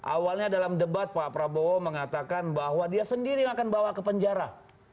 awalnya dalam debat pak prabowo mengatakan bahwa dia sendiri yang akan bawa ke penjara